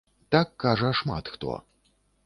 Так кажа шмат хто.